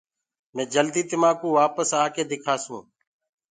مي جلدي تمآڪو وآپس آڪي دِکآسونٚ۔